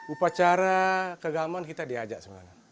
upacara kegaman kita diajak sebenarnya